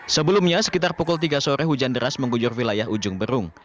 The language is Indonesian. sebelumnya sekitar pukul tiga sore hujan deras mengguyur wilayah ujung berung